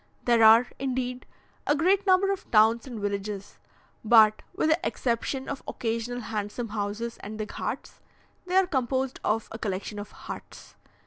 There are, indeed, a great number of towns and villages, but, with the exception of occasional handsome houses and the ghauts, they are composed of a collection of huts.